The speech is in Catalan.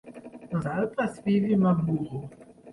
Nosaltres vivim a Muro.